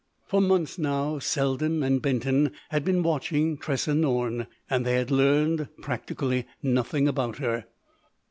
For months, now, Selden and Benton had been watching Tressa Norne. And they had learned practically nothing about her.